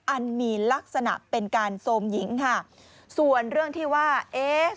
อันมีลักษณะเป็นการโทรมหญิงค่ะส่วนเรื่องที่ว่าเอ๊ะ